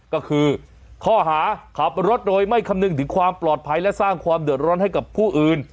ก็คือข้อหาขับรถโดยไม่คำนึงถึงความปลอดภัยและสร้างความเดือดร้อนให้กับผู้อื่น